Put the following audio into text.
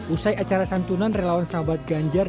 usai acara santunan relawan sahabat ganjar